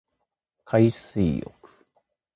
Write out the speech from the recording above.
海水浴